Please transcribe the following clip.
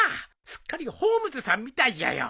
すっかりホームズさんみたいじゃよ。